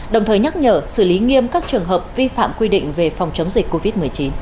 đồng thời nhắc nhở xử lý nghiêm các trường hợp vi phạm quy định về phòng chống dịch covid một mươi chín